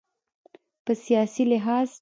په سیاسي لحاظ